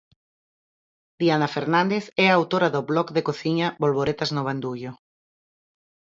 Diana Fernández é autora do blog de cociña "Bolboretas no bandullo".